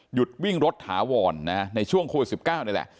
หยุดวิ่งรถถาวรในช่วงโควิด๑๙นี่แหละ